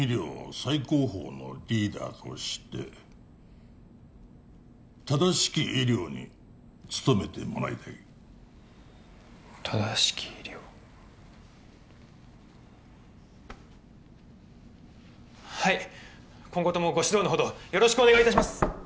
最高峰のリーダーとして正しき医療に努めてもらいたい正しき医療はい今後ともご指導のほどよろしくお願いいたします